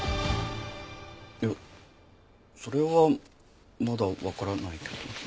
いやそれはまだわからないけど。